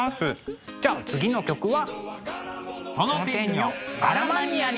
じゃあ次の曲は。